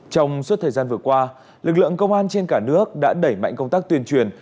trong suốt thời gian vừa qua lực lượng công an trên cả nước đã đẩy mạnh công tác tuyên truyền